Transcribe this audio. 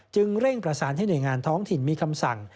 เร่งประสานให้หน่วยงานท้องถิ่นมีคำสั่ง